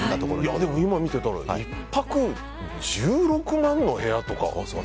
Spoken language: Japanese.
でも今、見てたら１泊１６万の部屋とか。